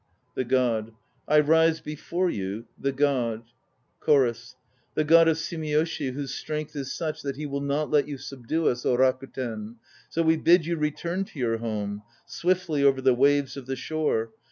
THE GOD. I rise before you The god CHORUS. The God of Sumiyoshi whose strength is such That he will not let you subdue us, Rakuten! So we bid you return to your home, Swiftly over the waves of the shore!